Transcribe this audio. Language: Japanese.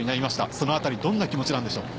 その辺りどんな気持ちなんでしょう。